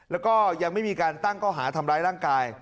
แล้วก็ยังไม่มีการตั้งก้อหาทำร้ายร่างกาย